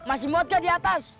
masih mwot gak di atas